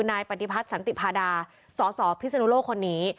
นายปฏิพัฒน์สันติพาดาสสพิศนุโลกคนนี้